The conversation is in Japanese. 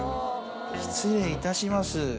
失礼いたします。